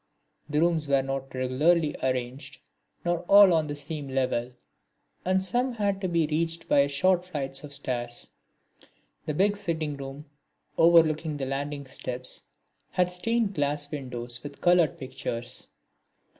The rooms were not regularly arranged, nor all on the same level, and some had to be reached by short flights of stairs. The big sitting room overlooking the landing steps had stained glass windows with coloured pictures.